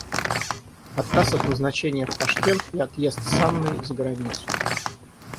Отказ от назначения в Ташкент и отъезд с Анной за границу.